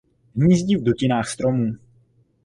Hnízdí v dutinách stromů.